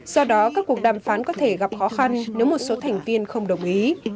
do đó các cuộc đàm phán có thể gặp khó khăn nếu một số thành viên không đồng ý